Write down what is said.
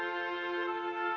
oh ini dong